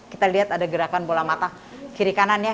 kita lihat ada gerakan bola mata kiri kanan ya